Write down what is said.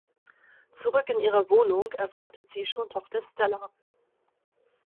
Zurück in ihrer Wohnung erwartet sie schon Tochter Stella.